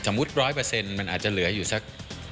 สมมุติ๑๐๐มันอาจจะเหลืออยู่สัก๕๐